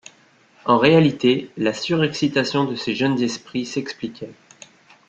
En réalité, la surexcitation de ces jeunes esprits s’expliquait.